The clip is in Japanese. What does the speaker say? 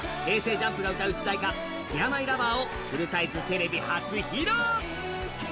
ＪＵＭＰが歌う主題歌「ＤＥＡＲＭＹＬＯＶＥＲ」をフルサイズテレビ初披露。